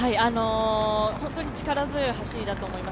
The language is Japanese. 本当に力強い走りだと思います。